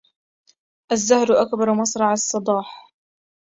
الزهر أكبر مصرع الصداح